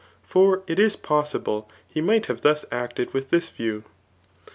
For it is possible he might have thus acted vdth this view.